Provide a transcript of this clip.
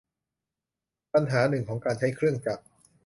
ปัญหาหนึ่งของการใช้เครื่องจักร